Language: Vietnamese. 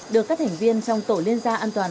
được các thành viên trong tổ liên gia an toàn